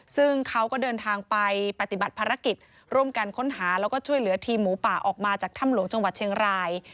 ซึ่งเขาก็เดินทางไปปฏิบัติภารกิจร่วมกันค้นหาแล้วก็ช่วยเหลือทีมหมูป่าออกมาจากถ้ำหลวงจังหวัดเชียงราย